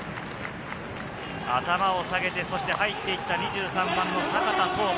頭を下げて、入っていた２３番の坂田東梧。